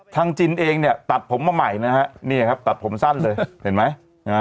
ทางจินเองตัดผมมาใหม่นะครับตัดผมสั้นเลยเห็นไหม